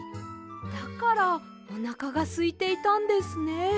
だからおなかがすいていたんですね。